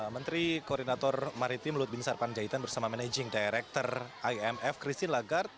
menteri koordinator maritim lut bin sarpanjaitan bersama managing director imf christine lagarde